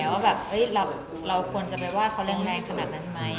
ว่าแบบเราควรจะไปว่าเขาแรงขนาดนั้นไหม